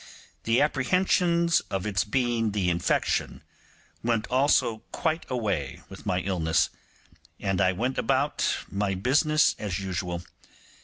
The apprehensions of its being the infection went also quite away with my illness, and I went about my business as usual.